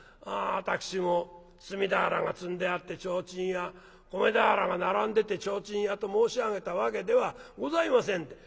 私も炭俵が積んであって提灯屋米俵が並んでて提灯屋と申し上げたわけではございませんで。